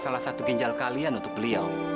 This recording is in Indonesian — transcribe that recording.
salah satu ginjal kalian untuk beliau